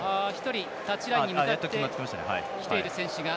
タッチラインに向かってきている